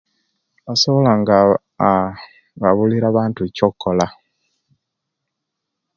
Basobola nga aa babulira abantu ekyo'kola